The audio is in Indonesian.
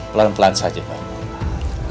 pelan pelan saja pak